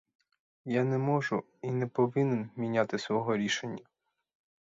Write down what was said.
Я не можу і не повинен міняти свого рішення.